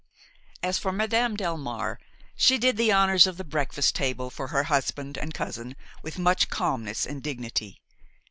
As for Madame Delmare, she did the honors of the breakfast table for her husband and cousin with much calmness and dignity.